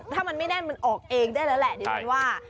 ถ้ามันไม่แน่นมันออกเองได้แล้วแหละดิฉันว่า